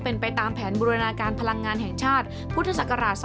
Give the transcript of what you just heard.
เป็นไปตามแผนบูรณาการพลังงานแห่งชาติพุทธศักราช๒๕๖